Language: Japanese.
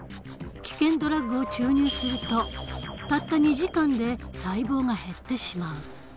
危険ドラッグを注入するとたった２時間で細胞が減ってしまう。